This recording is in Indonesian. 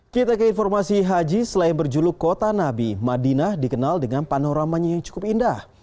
kita ke informasi haji selain berjuluk kota nabi madinah dikenal dengan panoramanya yang cukup indah